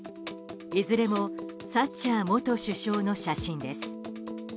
いずれもサッチャー元首相の写真です。